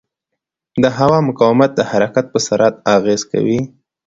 د هوا مقاومت د حرکت پر سرعت اغېز کوي.